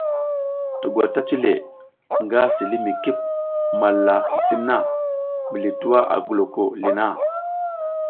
To gwata cile nga si li mi kip malla sisim na mizli twua a goloko li na.